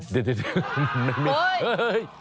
เดี๋ยวขอตั้งใจดูก่อน